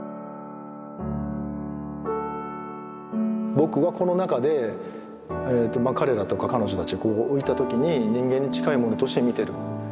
僕はこの中で彼らとか彼女たちこう置いた時に人間に近いものとして見てる。